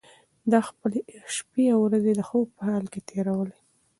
ده خپلې شپې او ورځې د خوب په حال کې تېرولې.